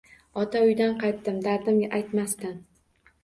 Ota uydan qaytdim dardim aytmasdan.